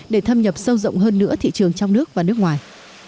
để thâm nhập sâu rộng hơn nữa thị trường trong nước và nước ngoài